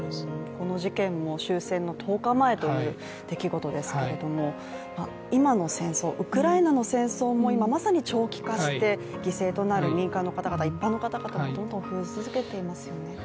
この事件も終戦の１０日前という出来事ですけれども今の戦争、ウクライナの戦争も今まさに長期化していて犠牲となる民間の方々、一般の方々がどんどん増え続けていますよね。